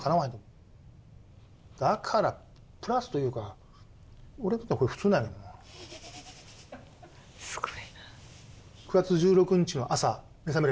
だからプラスというか俺にとっては普通なんやけどな。どうする？